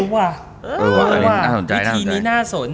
วิธีนี้น่าสน